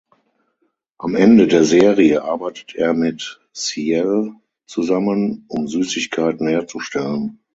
Am Ende der Serie arbeitet er mit Ciel zusammen um Süßigkeiten herzustellen.